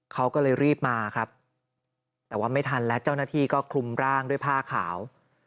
เขาก็เลยรีบมาครับแต่ว่าไม่ทันแล้วเจ้าหน้าที่ก็คลุมร่างด้วยผ้าขาว